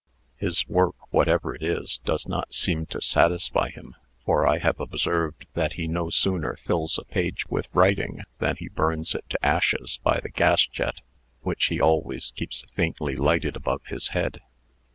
"His work, whatever it is, does not seem to satisfy him; for I have observed that he no sooner fills a page with writing, than he burns it to ashes by the gas jet, which he always keeps faintly lighted above his head."